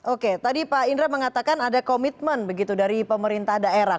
oke tadi pak indra mengatakan ada komitmen begitu dari pemerintah daerah